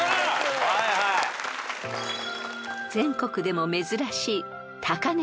［全国でも珍しい高嶺